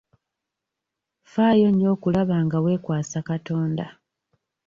Ffaayo nnyo okulaba nga weekwasa katonda.